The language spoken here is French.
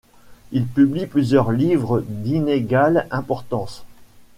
Il publie plusieurs livres d'inégale importance.